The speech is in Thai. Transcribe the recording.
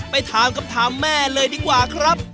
ไปถามคำถามแม่ค่ะ